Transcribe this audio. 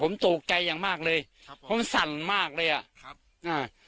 ผมตกใจอย่างมากเลยครับผมสั่นมากเลยอ่ะครับอ่า